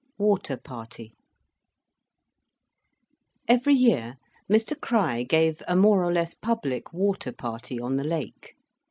WATER PARTY Every year Mr Crich gave a more or less public water party on the lake.